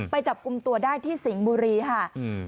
ไปจับกลุ่มตัวได้ที่สิงห์บุรีค่ะ